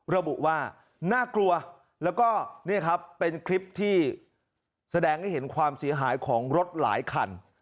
ระบุว่าน่ากลัวแล้วก็นี่ครับเป็นคลิปที่แสดงให้เห็นความเสียหายของรถหลายคัน